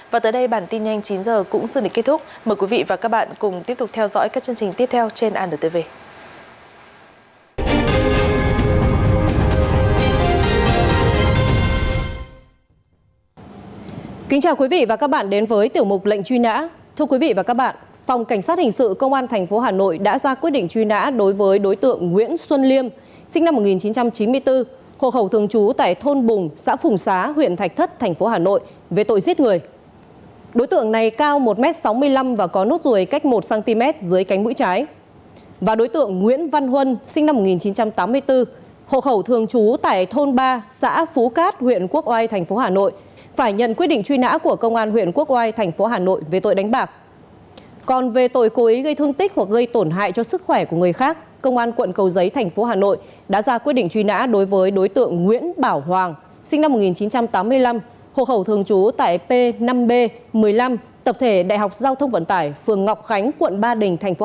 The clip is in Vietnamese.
và tới đây bản tin nhanh chín h cũng dừng để kết thúc mời quý vị và các bạn cùng tiếp tục theo dõi các chương trình tiếp theo trên anntv